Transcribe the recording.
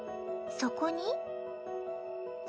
そこに。